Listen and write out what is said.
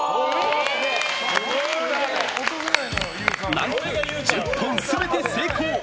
何と１０本全て成功！